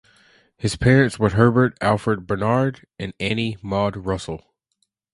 His parents were Herbert Alfred Barnard and Annie Maude Russell.